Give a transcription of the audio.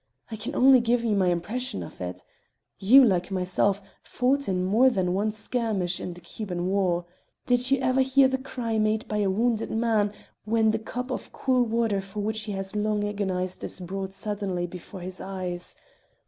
"I can only give you my impression of it. You, like myself, fought in more than one skirmish in the Cuban War. Did you ever hear the cry made by a wounded man when the cup of cool water for which he has long agonized is brought suddenly before his eyes?